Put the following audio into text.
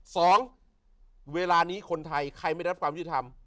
สองเวลานี้คนไทยใครไม่ได้รับความยุติธรรม